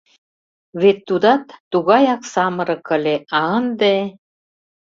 Вет тудат тугаяк самырык ыле, а ынде....